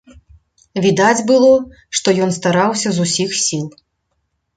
Відаць было, што ён стараўся з усіх сіл.